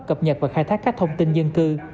cập nhật và khai thác các thông tin dân cư